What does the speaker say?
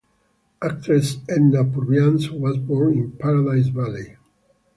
Actress Edna Purviance was born in Paradise Valley.